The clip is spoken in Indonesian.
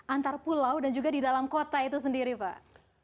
antar pulau dan juga di dalam kota itu sendiri pak